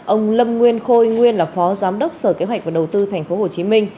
ông lâm nguyên khôi nguyên là phó giám đốc sở kế hoạch và đầu tư tp hcm